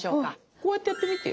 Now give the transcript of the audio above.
こうやってやってみて。